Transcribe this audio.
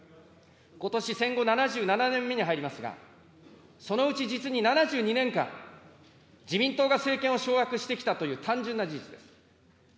ことし戦後７７年目に入りますが、そのうち実に７２年間、自民党が政権を掌握してきたという単純な事実です。